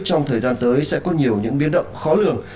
trong thời gian tới sẽ có nhiều những biến động khó lường